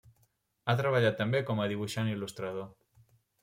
Ha treballat també com a dibuixant i il·lustrador.